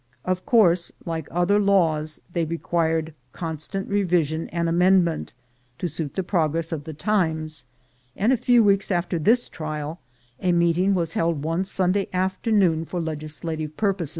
Of course, like other laws they required constant revision and amendment, to suit the progress of the times; and a few weeks after this trial, a meeting was held one Sunday afternoon for legislative purposes.